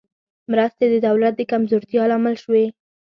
مرستې د دولت د کمزورتیا لامل شوې.